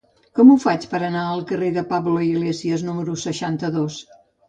Com ho faig per anar al carrer de Pablo Iglesias número seixanta-dos?